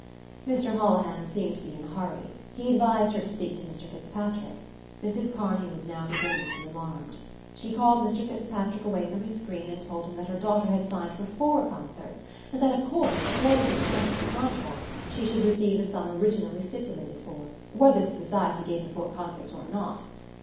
Mr Holohan seemed to be in a hurry; he advised her to speak to Mr Fitzpatrick. Mrs Kearney was now beginning to be alarmed. She called Mr Fitzpatrick away from his screen and told him that her daughter had signed for four concerts and that, of course, according to the terms of the contract, she should receive the sum originally stipulated for, whether the society gave the four concerts or not.